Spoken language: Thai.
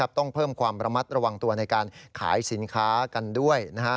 ต้องเพิ่มความระมัดระวังตัวในการขายสินค้ากันด้วย